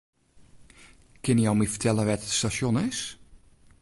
Kinne jo my fertelle wêr't it stasjon is?